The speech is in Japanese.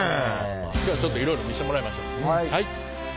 今日はちょっといろいろ見してもらいましょう。